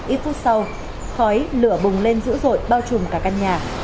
ít phút sau khói lửa bùng lên dữ dội bao trùm cả căn nhà